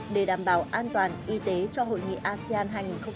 để đảm bảo an toàn y tế cho hội nghị asean hai nghìn hai mươi